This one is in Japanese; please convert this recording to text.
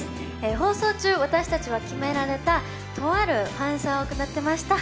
放送中、私たちは決められた「とあるファンサ」を行っていました。